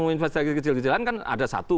mau investasi kecil kecilan kan ada satu